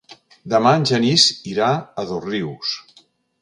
Demà en Genís irà a Dosrius.